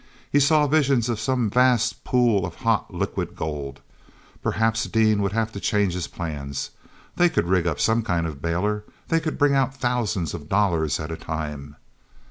He saw visions of some vast pool of hot, liquid gold. Perhaps Dean would have to change his plans. They could rig up some kind of a bailer; they could bring out thousands of dollars at a time.